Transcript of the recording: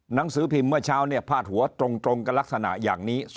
หนังสือพิมพ์เมื่อเช้าเนี่ยพาดหัวตรงกับลักษณะอย่างนี้